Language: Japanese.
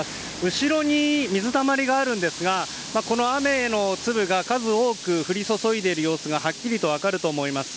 後ろに水たまりがあるんですが雨の粒が数多く降り注いでいる様子がはっきりと分かると思います。